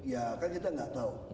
ya kan kita gak tau